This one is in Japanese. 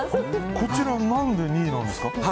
こちら何で２位なんですか？